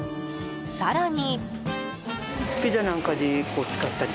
更に。